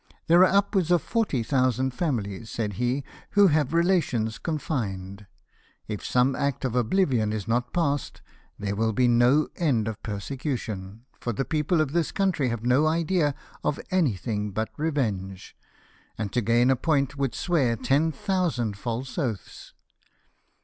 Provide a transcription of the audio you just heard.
" There are upwards of forty thousand families," said he, " who have relations con fined. If some act of oblivion is not passed there will be no end of persecution, for the people of this country have no idea of anything but revenge, and to gain a point would swear ten thousand false oaths.